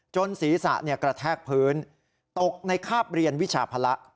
ศีรษะกระแทกพื้นตกในคาบเรียนวิชาภาระ